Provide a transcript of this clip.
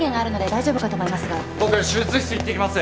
僕手術室行ってきます！